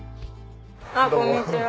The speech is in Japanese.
ああこんにちは。